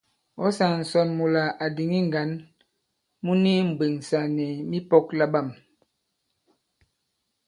Ǎ sāā ǹsɔn mula à dìŋi ŋgǎn mu ni mbwèŋsà nì mipɔ̄k laɓâm.